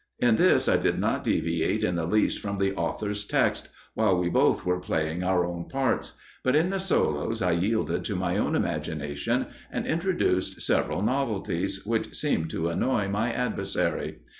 In this I did not deviate in the least from the author's text, while we both were playing our own parts; but in the solos I yielded to my own imagination, and introduced several novelties, which seemed to annoy my adversary.